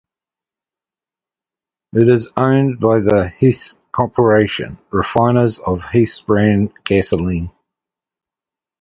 It is owned by the Hess Corporation, refiners of Hess brand gasoline.